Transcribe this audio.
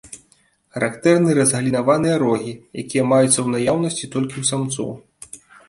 Характэрны разгалінаваныя рогі, якія маюцца ў наяўнасці толькі ў самцоў.